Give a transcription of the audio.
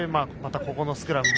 ここまでのスクラム。